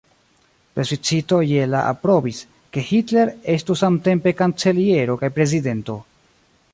Plebiscito je la aprobis, ke Hitler estu samtempe kanceliero kaj prezidento.